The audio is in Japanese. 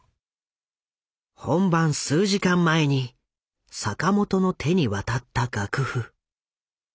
本番数時間前に坂本の手に渡った楽譜。